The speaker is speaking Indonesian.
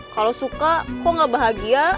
kalau suka kok gak bahagia